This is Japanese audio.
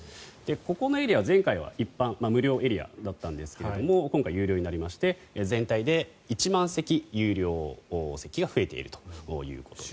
ここのエリア、前回は一般の無料のエリアだったんですが今回有料になりまして全体で１万席有料席が増えているということです。